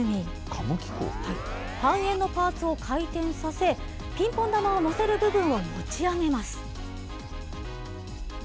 半円のパーツを回転させ、ピンポン球をのせる部分を持ち上げます。